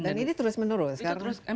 dan ini terus menerus